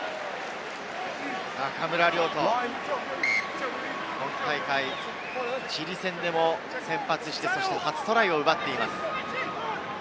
中村亮土、今大会、チリ戦でも先発して初トライを奪っています。